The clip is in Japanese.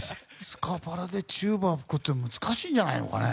スカパラでチューバって難しいんじゃない？